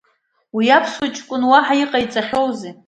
Уи аԥсуа ҷкәын уаҳа иҟаиҵахьоузеи?